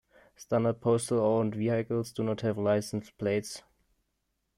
Standard postal-owned vehicles do not have license plates.